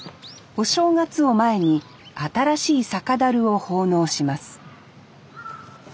お正月を前に新しい酒だるを奉納します